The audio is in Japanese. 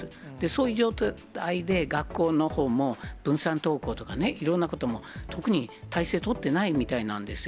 そういう状態で学校のほうも分散登校とかね、いろんなことも、特に体制取ってないみたいなんですよ。